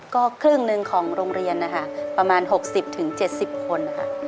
ก็ครึ่งหนึ่งของโรงเรียนนะคะประมาณ๖๐๗๐คนนะคะ